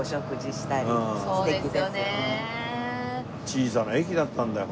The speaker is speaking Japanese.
小さな駅だったんだよ。